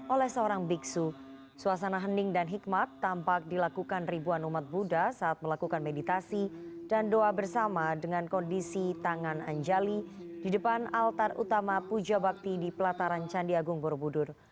oleh seorang biksu suasana hening dan hikmat tampak dilakukan ribuan umat buddha saat melakukan meditasi dan doa bersama dengan kondisi tangan anjali di depan altar utama puja bakti di pelataran candi agung borobudur